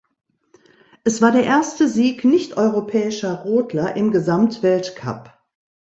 Es war der erste Sieg nichteuropäischer Rodler im Gesamtweltcup.